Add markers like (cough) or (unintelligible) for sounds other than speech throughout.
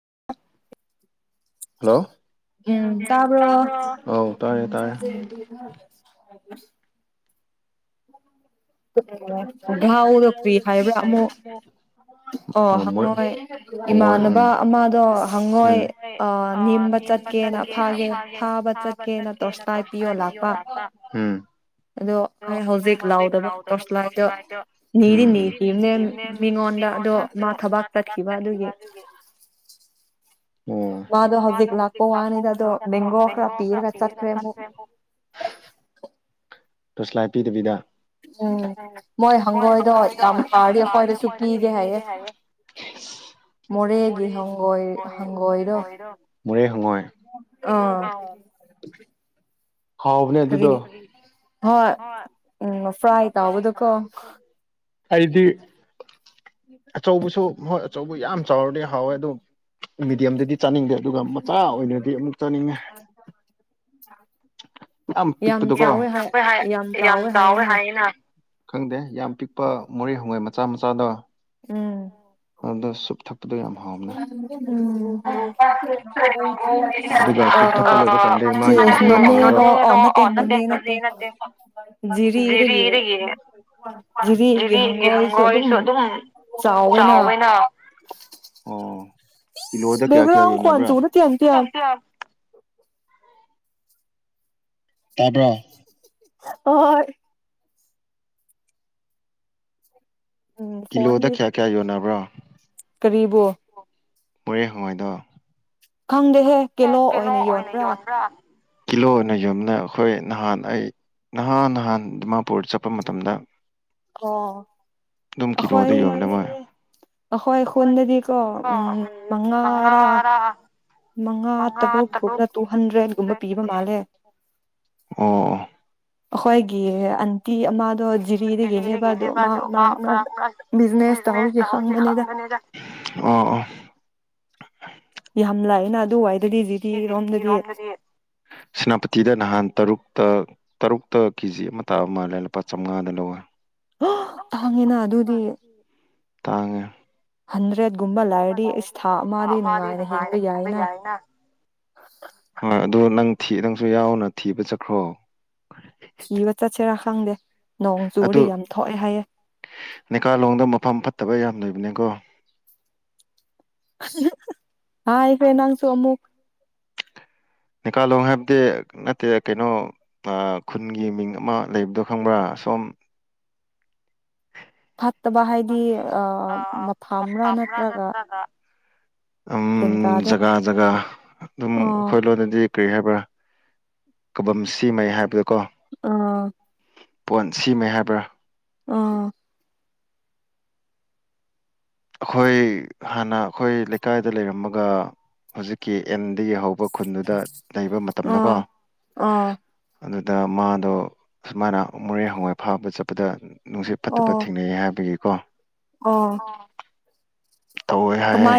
(unintelligible) hello ꯎꯝ ꯇꯕ꯭ꯔꯣ ꯥꯎꯗ ꯀ꯭ꯔꯤ ꯍꯥꯏꯕ꯭ꯔꯥ ꯑꯃꯨꯛ ꯑꯣ ꯍꯪꯉꯣꯏ ꯏꯃꯥꯟꯅꯕ ꯑꯃꯗꯣ ꯍꯪꯉꯣꯏ ꯑꯥ ꯅꯦꯝꯕ ꯆꯠꯀꯦꯅ ꯐꯥꯒꯦ ꯐꯥꯕ ꯆꯠꯀꯦꯅ ꯇꯣꯔꯁ ꯂꯥꯠ ꯄꯤꯌꯣ ꯂꯥꯛꯄ ꯑꯗꯣ ꯑꯩ ꯍꯧꯖꯤꯛ ꯂꯥꯎꯗꯕ ꯇꯣꯔꯁ ꯂꯥꯏꯠꯇꯣ ꯅꯤꯗꯤ ꯅꯤꯈꯤꯕꯅꯦ ꯃꯤꯉꯣꯟꯗ ꯉꯣꯟ ꯑꯗꯨ ꯃꯥ ꯊꯕꯥꯛ ꯆꯠꯈꯤꯕ ꯑꯗꯨꯒꯤ (inaudible) ꯃꯥꯗꯣ ꯍꯧꯖꯤꯛ ꯂꯥꯛꯄ ꯋꯥꯅꯤꯗ ꯑꯗꯣ ꯃꯦꯡꯒꯣ ꯈꯔ ꯄꯤꯔꯒ ꯆꯠꯈ꯭ꯔꯦ ꯑꯃꯨꯛ (inaudible) ꯇꯣꯁꯂꯥꯏꯠ ꯄꯤꯗꯕꯤꯗ ꯎꯝ ꯃꯣꯏ ꯍꯪꯒꯣꯏꯗꯣ ꯌꯥꯝ ꯐꯥꯔꯗꯤ ꯑꯩꯈꯣꯏꯗꯁꯨ ꯄꯤꯒꯦ ꯍꯥꯏꯌꯦ ꯃꯣꯔꯦꯒꯤ ꯍꯪꯒꯣꯏ ꯍꯪꯒꯣꯏꯔꯣ ꯑꯥ ꯍꯥꯎꯕꯅꯦ ꯑꯗꯨꯗꯣ ꯍꯣꯏ ꯎꯝ ꯐ꯭ꯔꯥꯏ ꯇꯥꯎꯕꯗꯨ ꯀꯣ ꯑꯩꯗꯤ ꯑꯆꯧꯕꯁꯨ ꯍꯣꯏ ꯑꯆꯧꯕ ꯌꯥꯝ ꯆꯥꯎꯔꯗꯤ ꯍꯥꯎꯋꯦ ꯑꯗꯣ ꯃꯤꯗꯤꯌꯝꯗꯗꯤ ꯆꯥꯅꯤꯡꯗꯦ ꯑꯗꯨꯒ ꯃꯆꯥ ꯑꯣꯏꯅꯗꯤ ꯑꯃꯨꯛ ꯆꯥꯅꯤꯡꯉꯦ ꯌꯝ ꯄꯤꯛꯄꯗꯣꯀꯣ ꯌꯥꯝ ꯆꯥꯎꯋꯦ ꯍꯥꯏꯌꯦꯅꯦ ꯈꯪꯗꯦ ꯌꯥꯝ ꯄꯤꯛꯄ ꯃꯣꯔꯦ ꯍꯪꯉꯣꯏ ꯃꯆꯥ ꯃꯆꯥꯗꯣ ꯎꯝ ꯑꯗꯣ ꯁꯨꯞ ꯊꯛ ꯌꯥꯝ ꯍꯥꯎꯕꯅꯦ ꯑꯗꯨꯒ (unintelligible) ꯑꯣ ꯅꯠꯇꯣ ꯑꯣ ꯅꯠꯇꯦ ꯔꯤꯔꯤꯗꯒꯤ ꯖꯤꯔꯤꯒꯤ ꯍꯪꯉꯣꯏꯁꯨ ꯑꯗꯨꯝ ꯆꯥꯎꯋꯦꯅ ꯀꯤꯂꯣꯗ ꯀꯌꯥ ꯀꯌꯥ ꯌꯣꯟꯅꯕ꯭ꯔ ꯇꯥꯕ꯭ꯔꯣ ꯍꯣꯏ ꯀꯤꯂꯣꯗ ꯀꯌꯥ ꯀꯌꯥ ꯌꯣꯟꯅꯕ꯭ꯔꯥ ꯀꯔꯤꯕꯨ ꯃꯣꯔꯦ ꯍꯪꯉꯣꯏꯗꯣ ꯍꯦ ꯀꯤꯂꯣ ꯑꯣꯏꯅ ꯌꯣꯟꯕ꯭ꯔꯥ ꯀꯤꯂꯣ ꯑꯣꯏꯅ ꯌꯣꯟꯕꯅꯦ ꯑꯈꯣꯏ ꯅꯍꯥꯟ ꯑꯩ ꯅꯍꯥꯟ ꯅꯍꯥꯟ ꯗꯤꯃꯥꯄꯨꯔ ꯆꯠꯄ ꯃꯇꯝꯗ ꯑꯣ ꯑꯈꯣꯏꯏ ꯑꯈꯣꯏ ꯈꯨꯟꯗꯗꯤꯀꯣ ꯎꯝ ꯃꯉꯥꯔꯥ ꯃꯉꯥ ꯇꯔꯨꯛꯀꯨꯝꯕꯗ ꯇꯨ ꯍꯟꯗ꯭ꯔꯦꯠꯒꯨꯝꯕ ꯄꯤꯕ ꯃꯥꯜꯂꯦ ꯑꯈꯣꯏꯒꯤ ꯑꯟꯇꯤ ꯑꯃꯥꯗꯣ ꯖꯤꯔꯤꯗꯒꯤ ꯑꯗꯨ ꯃꯥ ꯃꯔꯥꯛꯃꯔꯛꯇ ꯋꯤꯠꯅꯦꯁ ꯇꯧꯔꯗꯤ ꯈꯪꯒꯅꯤꯗꯥ (inaudible) ꯌꯥꯝꯂꯩꯅ ꯑꯗꯨ ꯋꯥꯏ ꯁꯤꯖꯤꯗꯤ ꯖꯤꯔꯤꯔꯣꯝꯗꯗꯤ ꯁꯦꯅꯥꯄꯇꯤꯗ ꯅꯍꯥꯟ ꯇꯔꯨꯛ ꯇ ꯇꯔꯨꯛꯇ ꯀꯦꯖꯤ ꯑꯃ ꯇꯥꯔꯝ ꯃꯥꯜꯂꯦ ꯂꯨꯄꯥ ꯆꯥꯃꯉꯥꯗ ꯂꯧꯋꯦ ꯍ ꯇꯥꯡꯉꯦꯅꯥ ꯑꯗꯨꯗꯤ ꯇꯥꯡꯉꯦ ꯍꯟꯗ꯭ꯔꯦꯗ ꯒꯨꯝꯕ ꯂꯥꯏꯔꯗꯤ ꯑꯩꯁ ꯊꯥ ꯑꯃꯗꯤ ꯅꯨꯡꯉꯥꯏꯅ ꯍꯤꯡꯕ ꯌꯥꯏꯅ ꯑꯗꯣ ꯅꯪ ꯊꯤ ꯅꯪꯁꯨ ꯌꯥꯎꯅ ꯊꯤꯕ ꯆꯠꯈ꯭ꯔꯣ ꯊꯤꯕ ꯆꯠꯁꯤꯔꯥ ꯈꯪꯗꯦ ꯑꯗꯨ ꯅꯤꯀꯥꯂꯣꯡꯗ ꯃꯐꯝ ꯐꯠꯇꯕ ꯌꯥꯝ ꯂꯩ ꯕꯅꯦꯀꯣ ꯑꯁ ꯍꯥꯥꯏꯈ꯭ꯔꯦ ꯅꯪꯁꯨ ꯑꯃꯨꯛ ꯅꯤꯀꯥꯂꯣꯡ ꯍꯥꯏꯕꯗꯤ ꯅꯠꯇꯦ ꯀꯩꯅꯣ ꯑꯥ ꯈꯨꯟꯒꯤ ꯃꯤꯡ ꯑꯃ ꯂꯩꯕꯗꯣ ꯈꯪꯕ꯭ꯔꯥ ꯑꯁꯣꯝ ꯐꯥꯠꯇꯕ ꯍꯥꯏꯗꯤ ꯑꯥ ꯃꯐꯝꯔꯥ ꯅꯠꯇ꯭ꯔꯒ ꯎꯝ ꯖꯒꯥ ꯖꯒꯥ ꯑꯗꯨꯝ ꯑꯈꯣꯏ ꯂꯣꯟꯗꯗꯤ ꯀ꯭ꯔꯤ ꯍꯥꯏꯕ꯭ꯔꯥ ꯀꯕꯝ ꯁꯤ ꯃꯩ ꯍꯥꯏꯕꯗꯣꯀꯣ ꯑꯥ ꯄꯣꯟ ꯁꯤ ꯃꯩ ꯍꯥꯏꯕ꯭ꯔꯥ ꯑꯥ ꯑꯈꯣꯏ ꯍꯥꯟꯅ ꯑꯈꯣꯏ ꯂꯩꯀꯥꯏꯗ ꯂꯩꯔꯝꯃꯒ ꯍꯧꯖꯤꯛꯀꯤ ꯑꯦꯝ ꯗꯒꯤ ꯍꯧꯕ ꯈꯨꯟꯗꯨꯗ ꯂꯩꯕ ꯃꯇꯝꯗꯀꯣ ꯑꯗꯨ ꯗ ꯃꯥꯗꯣ ꯁꯨꯃꯥꯏꯅ ꯃꯣꯔꯦ ꯍꯪꯉꯣꯏ ꯐꯥꯕ ꯆꯠꯄꯗ ꯅꯨꯡꯁꯤꯠ ꯐꯠꯇꯕ ꯊꯦꯡꯅꯩ ꯍꯥꯏꯕꯒꯤ ꯑꯣ ꯇꯧꯋꯦ ꯍꯥꯏꯑꯦ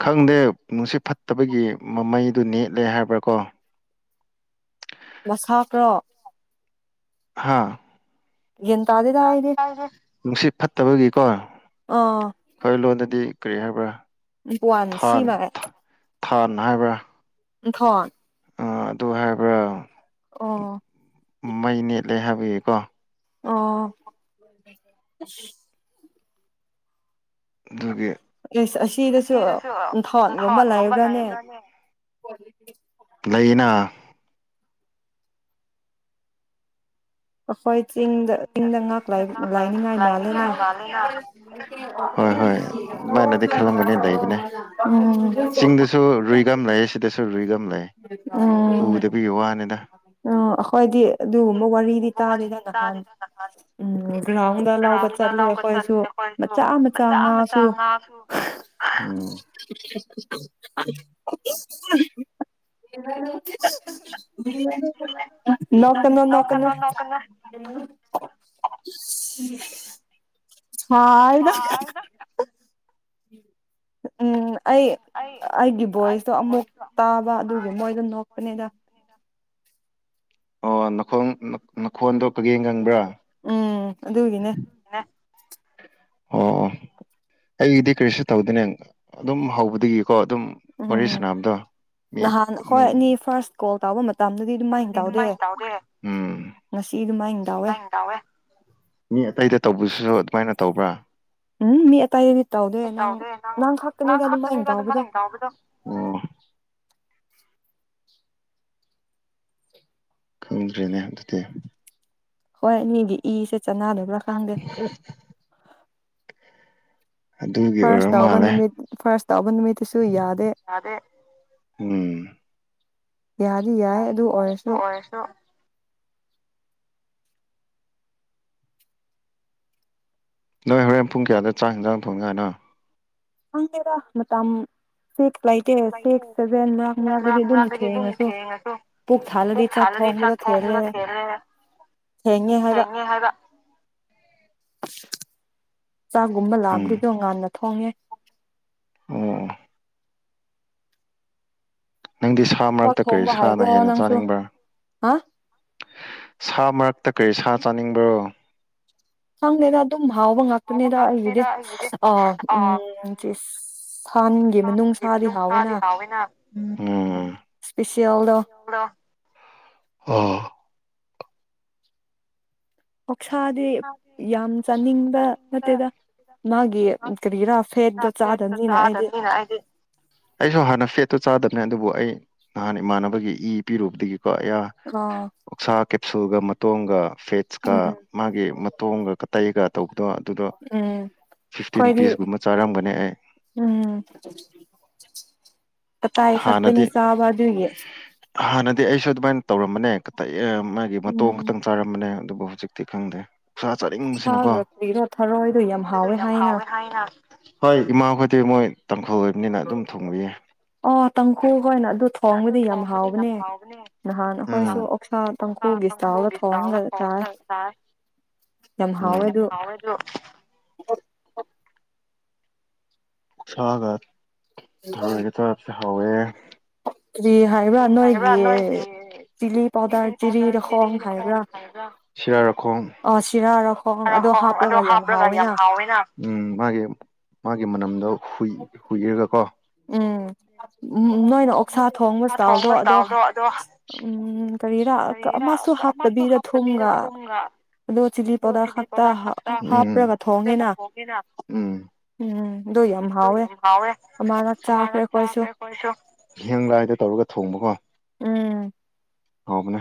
ꯈꯪꯗꯦ ꯅꯨꯡꯁꯤꯠ ꯐꯠꯇꯕꯒꯤ ꯃꯃꯩꯗꯨ ꯅꯦꯠꯂꯦ ꯍꯥꯏꯕ꯭ꯔꯥ ꯀꯣ ꯃꯁꯥ ꯀ꯭ꯔꯣ ꯍꯥꯥ ꯒ꯭ꯌꯥꯟ ꯇꯥꯗꯦꯗ ꯑꯩꯗꯤ ꯅꯨꯡꯁꯤꯠ ꯐꯠꯇꯕꯒꯤꯀꯣ ꯑꯈꯣꯏ ꯂꯣꯟꯗꯗꯤ ꯀꯔꯤ ꯍꯥꯏꯕ꯭ꯔꯥ ꯋꯥꯟꯁꯤꯅꯥꯏ ꯊꯥꯟ ꯍꯥꯏꯕ꯭ꯔ ꯊꯣꯟ ꯑꯥ ꯑꯗꯨ ꯍꯥꯏꯕ꯭ꯔꯥ ꯑꯣ ꯃꯩ ꯅꯦꯠꯂꯦ ꯍꯥꯏꯕꯒꯤꯀꯣ ꯑꯣꯑꯁ ꯑꯁ ꯑꯁꯤꯗꯁꯨ ꯊꯣꯠꯒꯨꯝꯕ ꯂꯩꯕ꯭ꯔꯥꯅꯦ (inaudible) ꯂꯩꯥꯌꯦꯅ ꯑꯈꯣꯏ ꯆꯤꯡꯗ ꯆꯤꯡꯗ ꯉꯥꯛ ꯂꯥꯏꯅꯤꯡꯉꯥꯏ ꯃꯥꯜꯂꯦꯅ ꯎꯝ ꯆꯤꯡꯗꯁꯨ ꯔꯨꯏꯒꯝ ꯂꯩꯥꯛꯑꯦ ꯁꯤꯗꯁꯨ ꯔꯨꯏꯒꯝ ꯑꯃ ꯂꯩꯥ ꯎꯗꯕꯒꯤ ꯋꯥꯅꯤꯗ ꯑꯣ ꯑꯈꯣꯏꯗꯤ ꯑꯗꯨꯒꯨꯝꯕ ꯋꯥꯔꯤꯗꯤ ꯇꯥꯗꯦꯗ ꯅꯍꯥꯟ ꯎꯝ ꯒ꯭ꯔꯥꯎꯟꯗ ꯂꯥꯎꯕ ꯆꯠꯂꯦ ꯑꯈꯣꯏꯁꯨ ꯃꯆꯥ ꯃꯆꯥ ꯉꯥꯁꯨ (unintelligible) (unintelligible) ꯅꯣꯛꯀꯅꯨ ꯅꯣꯛꯀꯅꯨ (inaudible) ꯍꯥꯢꯅ ꯎꯝ ꯑꯩ ꯑꯩꯒꯤ ꯚꯣꯏꯁꯇꯣ ꯑꯃꯨꯛ ꯇꯥꯕ ꯑꯗꯨꯒꯤ ꯃꯣꯏꯗꯣ ꯅꯣꯛꯄꯅꯤꯗ ꯑꯣ ꯅꯈꯣꯡ ꯅꯈꯣꯟꯗꯣ ꯀꯔꯤꯒꯤ ꯉꯪꯕ꯭ꯔꯥ ꯎꯝ ꯑꯗꯨꯒꯤꯅꯦ ꯑꯣ ꯑꯣ ꯑꯩꯒꯤꯗꯤ ꯀꯔꯤꯁꯨ ꯇꯧꯗꯅꯦ ꯑꯗꯨꯝ ꯍꯧꯕꯗꯒꯤ ꯍꯣ ꯑꯗꯨꯝ ꯋꯥꯔꯤ ꯁꯟꯅꯕꯗꯣ ꯃꯤ ꯎꯝ ꯍꯟꯗꯤ ꯑꯗꯨꯃꯥꯏ ꯇꯧꯗꯦ ꯑꯗꯨꯃꯥꯏ ꯇꯧꯋꯦ ꯃꯤ ꯑꯇꯩꯗ ꯇꯧꯕꯁꯤꯁꯨ ꯑꯗꯨꯃꯥꯏꯅ ꯇꯧꯕ꯭ꯔꯥ ꯎꯝ ꯃꯤ ꯑꯇꯩꯗꯗꯤ ꯇꯧꯗꯦ ꯅꯪ ꯅꯪ ꯈꯥꯛꯇꯅꯤꯗ ꯑꯗꯨꯝꯥꯏꯅ ꯇꯧꯕꯗꯣ (inaudible) ꯈꯪꯗ꯭ꯔꯅꯦ ꯑꯗꯨꯗꯤ ꯍꯣꯏ ꯅꯤ (unintelligible) ꯑꯗꯨꯒꯤ ꯑꯣꯏꯔ ꯃꯥꯜꯂꯦ ꯎꯝ ꯌꯥꯗꯤ ꯌꯥꯏ ꯑꯗꯨ ꯑꯣꯏꯔꯁꯨ ꯅꯣꯏ ꯍꯣꯔꯦꯟ ꯄꯨꯡ ꯀꯌꯥꯗ ꯆꯥꯛ ꯢꯟꯁꯥꯡ ꯊꯣꯡꯉꯥꯏꯅꯣ ꯈꯪꯗꯦꯗ ꯃꯇꯝ ꯐꯤꯛꯁ ꯂꯩꯇꯦ ꯁꯤꯛꯁ ꯁꯚꯦꯟ ꯃꯔꯛ ꯃꯔꯛꯇꯗꯤ ꯑꯗꯨꯝ ꯊꯦꯡꯉꯁꯨ ꯄꯨꯨꯛ ꯊꯥꯜꯂꯗꯤ ꯆꯥꯛ ꯊꯣꯡꯕꯗ ꯊꯦꯡꯂꯦ ꯊꯦꯡꯉꯦ ꯍꯥꯏꯕ ꯆꯥꯛꯒꯨꯝꯕ ꯂꯥꯛꯑꯝꯗꯗꯣ ꯉꯥꯟꯅ ꯊꯣꯡꯉꯦ ꯑꯣꯑꯣ ꯅꯪꯗꯤ ꯁꯥ ꯃꯔꯛꯇ ꯀꯔꯤ ꯁꯥꯅ ꯍꯦꯟꯅ ꯆꯥꯅꯤꯡꯕ꯭ꯔꯥ ꯁꯥ ꯃꯔꯛ ꯇ ꯀꯔꯤ ꯁꯥ ꯆꯥꯅꯤꯡꯕ꯭ꯔꯣ ꯈꯪꯗꯦꯗ ꯑꯗꯨꯝ ꯍꯥꯎꯕ ꯉꯥꯛꯇꯅꯤꯗ ꯑꯩꯒꯤꯗꯤ ꯑꯥ ꯎꯝ ꯆꯤꯁ ꯁꯟꯒꯤ ꯃꯅꯨꯡꯁꯥꯗꯤ ꯍꯥꯎꯋꯦꯅ ꯑꯣ ꯁꯥꯗꯤ ꯌꯥꯝ ꯆꯥꯅꯤꯡꯕ ꯅꯠꯇꯦꯗ ꯃꯥꯒꯤ ꯀꯔꯤꯔꯥ ꯐꯦꯠꯇꯣ ꯐꯠꯦꯇꯣ ꯆꯥꯗꯝꯅꯤꯅ ꯑꯩꯗꯤ ꯑꯩꯁꯨ ꯍꯥꯟꯅ ꯐꯦꯠꯇꯨ ꯆꯥꯗꯕ ꯑꯗꯨꯕꯨ ꯑꯩ ꯅꯍꯥꯟ ꯏꯃꯥꯟꯅꯕꯒꯤ ꯏ ꯄꯤꯔꯨꯕꯗꯒꯤꯀꯣ ꯑꯌꯥ ꯑꯣꯛꯁꯥ ꯁꯨꯜꯒ ꯃꯇꯣꯟꯒ ꯐꯦꯠꯁꯀ ꯃꯥꯒꯤ ꯃꯇꯣꯡꯒ ꯀꯇꯩꯒ ꯇꯧꯕ ꯗꯣ ꯑꯗꯨꯗꯣ ꯈꯣꯏꯗꯤ ꯎꯝ ꯑꯇꯩ ꯈꯛꯇꯅꯤ ꯆꯕ ꯑꯗꯨꯒꯤ ꯍꯥꯟꯅꯗꯤ ꯑꯩꯁꯨ ꯑꯗꯨꯃꯥꯏꯅ ꯇꯧꯔꯝꯕꯅꯦ ꯀꯇꯩꯑꯦ ꯃꯥꯒꯤ ꯃꯇꯣꯡ ꯈꯛꯇꯪ ꯆꯥꯔꯝꯕꯅꯦ ꯑꯗꯨꯕꯨ ꯍꯧꯖꯤꯛ ꯇꯤ ꯈꯪꯗꯦ ꯁꯥ ꯆꯥꯅꯤꯡꯕꯁꯤꯅꯀꯣ ꯌꯥꯝ ꯍꯥꯎꯋꯦ ꯍꯥꯏꯅ ꯍꯣꯏ ꯏꯃꯥ ꯈꯣꯏꯗꯤ ꯃꯣꯏ ꯇꯥꯡꯈꯨꯜ ꯑꯣꯏꯕꯅꯤꯅ ꯑꯗꯨꯝ ꯊꯣꯡꯕꯤꯌꯦ ꯑꯗꯨ ꯊꯣꯡꯕꯗꯤ ꯌꯥꯝ ꯍꯥꯎꯕꯅꯦ ꯎꯝ (unintelligible) ꯎꯝ (unintelligible) ꯑꯣꯛꯁꯥꯒ ꯊꯔꯣꯏꯒ ꯆꯥꯕꯁꯦ ꯍꯥꯎꯋꯦ ꯀꯔꯤ ꯍꯥꯏꯕ꯭ꯔ ꯅꯣꯏꯒꯤ (unintelligible) ꯁꯤꯔꯔꯥꯈꯣꯡ ꯍꯣ ꯍꯣꯏ ꯑꯗꯨ ꯍꯥꯞꯔꯒ ꯌꯥꯝ ꯍꯥꯎꯋꯤꯅ ꯎꯝ ꯃꯥꯒꯤ ꯃꯥꯒꯤ ꯃꯅꯝꯗꯣ ꯍꯨꯏ ꯍꯨꯏꯔꯒ ꯀꯣ ꯎꯝ ꯅꯣꯏꯅ ꯑꯣꯛꯁꯥ ꯊꯣꯡꯕ ꯁ꯭ꯇꯥꯏꯜꯗꯣ ꯑꯗꯣ ꯎꯝ ꯀꯔꯤꯔꯥ ꯑꯃꯁꯨ ꯍꯥꯞꯇꯕꯤꯗ ꯊꯨꯝꯒ ꯑꯣ ꯆꯤꯂꯤ ꯄꯥꯎꯗꯔ ꯈꯛꯇ ꯍꯥꯞꯄ꯭ꯔꯒ ꯊꯣꯡꯉꯦꯅ ꯎꯝ ꯑꯗꯣ ꯌꯥꯝ ꯑꯗꯣ ꯌꯥꯝ ꯍꯥꯎꯋꯦ ꯑꯃꯔꯛ ꯆꯥꯈ꯭ꯔꯦ ꯈꯣꯏꯁꯄ (unintelligible) ꯂꯥꯏꯗ ꯇꯧꯔꯒ ꯊꯣꯡꯕ ꯀꯣ ꯍꯥꯎꯕꯅꯦ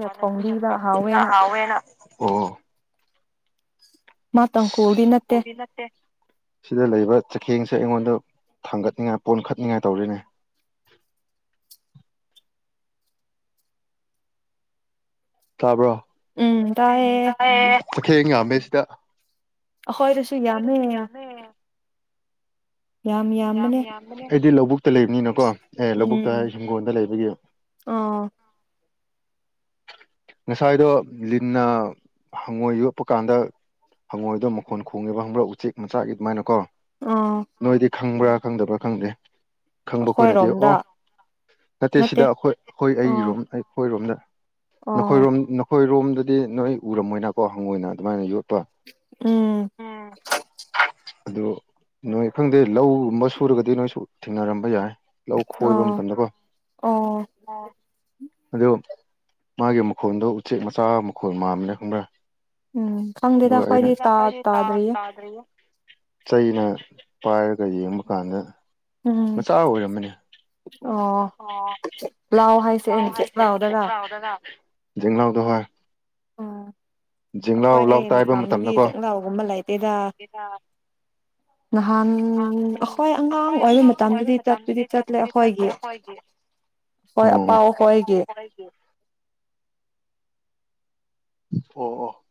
ꯍꯥꯟꯅ (unintelligible) ꯍꯥꯎꯋꯦꯅ ꯑꯣ ꯃꯥ ꯇꯪꯈꯨꯜꯗꯤ ꯅꯠꯇꯦ ꯁꯤꯗ ꯂꯩꯕ ꯆꯩꯈꯦꯡꯁꯦ ꯑꯉꯣꯟꯗ ꯊꯥꯡꯒꯠꯅꯤꯡꯉꯥꯏ ꯄꯣꯟꯈꯠꯅꯤꯉꯥꯏ ꯇꯧꯔꯦꯅꯦ (inaudible) ꯇꯥꯕ꯭ꯔꯣ ꯎꯝ ꯇꯥꯏꯌꯦ ꯊꯦꯡ ꯌꯥꯝꯃꯦ ꯁꯤꯗ ꯑꯈꯣꯏꯗꯁꯨ ꯌꯥꯝꯃꯦ ꯌꯥꯝ ꯌꯥꯝꯕꯅꯦ ꯑꯗꯨꯗꯤ ꯂꯧꯕꯨꯛꯇ ꯂꯩꯕꯅꯤꯅꯀꯣ ꯑꯦ ꯂꯧꯕꯨꯛꯇ ꯍꯥꯏ ꯍꯤꯡꯒꯣꯜꯗ ꯂꯩꯕꯒꯤ ꯉꯁꯥꯏꯗꯣ ꯂꯤꯟꯅ ꯍꯪꯉꯣꯏ ꯌꯣꯛꯄ ꯀꯥꯟꯗ ꯍꯪꯉꯣꯏꯗꯣ ꯃꯈꯣꯟ ꯈꯣꯡꯉꯦꯕ ꯈꯪꯕ꯭ꯔꯥ ꯎꯆꯦꯛ ꯃꯆꯥꯒꯤ ꯑꯗꯨꯃꯥꯏꯅ ꯀꯣ ꯅꯣꯏꯗꯤ ꯈꯪꯕ꯭ꯔꯥ ꯈꯪꯗꯕ꯭ꯔꯥ ꯈꯪꯗꯦ ꯈꯪꯕ ꯈꯣꯏꯅꯗꯦ ꯑꯣ ꯅꯠꯇꯦ ꯁꯤꯗ ꯑꯈꯣꯏ ꯑꯈꯣꯏ ꯑꯩꯔꯣꯝ ꯑꯈꯣꯏꯔꯣꯝꯗ ꯅꯈꯣꯏꯔꯣꯝ ꯅꯈꯣꯏꯔꯣꯝꯗꯗꯤ ꯅꯣꯏ ꯎꯔꯝꯃꯣꯏꯅꯀꯣ ꯍꯪꯉꯣꯏꯅ ꯑꯗꯨꯃꯥꯏꯅ ꯌꯣꯠ ꯎꯝ ꯑꯗꯨ ꯅꯣꯏ ꯈꯪꯗꯦ ꯂꯧꯒꯨꯝꯕ ꯁꯨꯔꯒꯗꯤ ꯅꯣꯏꯁꯨ ꯊꯦꯡꯅꯔꯝꯕ ꯌꯥꯏ ꯂꯧ ꯈꯣꯏꯕ ꯃꯇꯝꯗꯀꯣ ꯑꯗꯨꯣ ꯃꯥꯒꯤ ꯃꯈꯣꯜꯗꯣ ꯎꯆꯦꯛ ꯃꯆꯥ ꯃꯈꯣꯜ ꯃꯥꯟꯕꯅꯦ ꯈꯪꯕ꯭ꯔꯥ ꯈꯪꯗꯦꯗ ꯑꯈꯣꯏꯗꯤ ꯇꯥ ꯇꯥꯗ꯭ꯔꯤꯗ ꯆꯩꯅ ꯄꯥꯏꯔꯒ ꯌꯦꯡꯕ ꯀꯥꯟꯗ ꯃꯆꯥ ꯑꯣꯏꯔꯝꯃꯅꯤ ꯑꯣ ꯂꯥꯎ ꯍꯥꯏꯁꯦ (unintelligible) ꯂꯥꯎꯗꯅ (unintelligible) ꯑꯝ ꯑꯈꯣꯏ ꯃꯐꯝꯗꯗꯤ ꯆꯪ ꯂꯥꯎꯒꯨꯝꯕ ꯂꯩꯇꯦꯗ ꯅꯍꯥꯟ ꯑꯈꯣꯏ ꯑꯉꯥꯡ ꯑꯣꯏꯕ ꯃꯇꯝꯗꯗꯤ ꯆꯠꯄꯗꯤ ꯆꯠꯂꯦ ꯑꯈꯣꯏꯒꯤ ꯍꯣꯏ ꯑꯄꯥꯎ ꯍꯣꯏꯒꯤ ꯑꯣ ꯑꯣ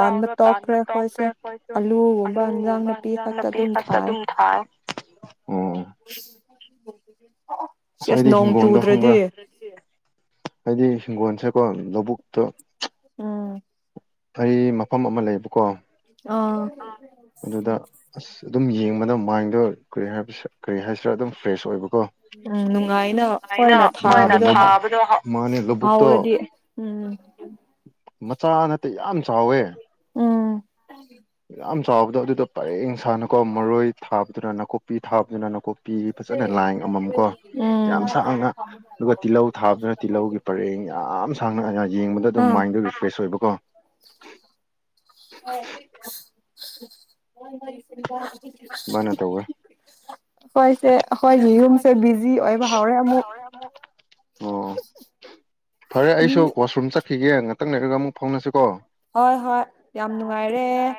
ꯂꯧꯗ ꯇꯥꯟꯕ ꯇꯣꯛꯈ꯭ꯔꯦ ꯑꯗꯄꯝ ꯑꯂꯨꯒꯨꯝꯕ ꯑꯦꯟꯁꯥꯡ ꯅꯥꯄꯤ ꯊꯥꯏꯌꯦ ꯎꯝ (inaudible) ꯑꯁ ꯑꯩꯗꯤ ꯍꯤꯡꯒꯣꯜꯗ ꯈꯪꯕ꯭ꯔꯥ ꯑꯩꯗꯤ ꯍꯤꯡꯒꯣꯜꯁꯦ ꯀꯣ ꯂꯕꯨꯨꯛꯇ ꯎꯝ ꯐꯩ ꯃꯐꯝ ꯑꯃ ꯂꯩꯕꯀꯣ ꯑꯥ ꯑꯁ ꯑꯗꯨꯝ ꯌꯦꯡꯕꯗ ꯃꯥꯏꯟꯗꯣ ꯀꯔꯤ ꯍꯥꯏ ꯀꯔꯤ ꯍꯥꯏꯁꯤꯔ ꯑꯗꯨꯝ ꯐ꯭ꯔꯦꯁ ꯑꯣꯏꯕ ꯃꯥꯅꯦ ꯂꯕꯨꯛꯇꯣ ꯎꯝ ꯃꯆꯥ ꯅꯠꯇꯦ ꯌꯥꯝ ꯆꯥꯎꯋꯦ ꯌꯥꯝ ꯆꯥꯎꯕꯗꯣ ꯑꯗꯨꯗ ꯄꯔꯦꯡ ꯁꯥꯅꯀꯣ ꯃꯔꯣꯏ ꯊꯥꯕꯗꯨꯅ ꯅꯥꯀꯨꯞꯄꯤ ꯊꯥꯕꯗꯨꯅ ꯅꯥꯀꯨꯞꯄꯤ ꯄꯤꯔꯤ ꯐꯖꯅ ꯂꯥꯏ ꯑꯃꯃꯝꯀꯣ ꯌꯥꯝ ꯁꯥꯡꯅ ꯑꯗꯨꯒ ꯇꯤꯜꯍꯧ ꯊꯥꯕꯗꯨꯅ ꯇꯤꯜꯍꯧꯒꯤ ꯄꯔꯦꯡ ꯌꯥꯝ ꯁꯥꯡꯅ ꯌꯦꯡꯕꯗ ꯑꯗꯨꯝ ꯃꯥꯏ ꯑꯗꯨꯒꯤ ꯐ꯭ꯔꯦꯁ ꯑꯣꯏꯕꯀꯣ (inaudible) (inaudible) ꯑꯈꯣꯏꯁꯦ ꯑꯈꯣꯏꯁꯦ ꯌꯨꯝꯁꯦ ꯕꯤꯖꯤ ꯑꯣꯏꯕ ꯍꯧꯔꯦ ꯑꯃꯨꯛ ꯑꯣ ꯐꯔꯦ ꯑꯩꯁꯨ ꯋꯥꯁꯔꯨꯝ ꯆꯠꯈꯤꯒꯦ ꯉꯥꯛꯇꯪ ꯂꯩꯔꯒ ꯑꯃꯨꯛ ꯐꯥꯎꯅꯁꯤꯀꯣ ꯍꯣꯏ ꯍꯣꯏ ꯌꯥꯝ ꯅꯨꯡꯉꯥꯏꯔꯦ (inaudible)